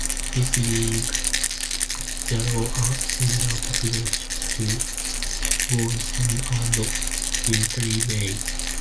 This gives Jarrow a similar population to Wallsend and Whitley Bay.